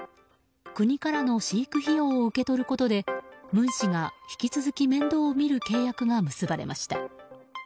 国からの飼育費用を受け取ることで文氏が引き続き面倒を見る契約が結ばれました。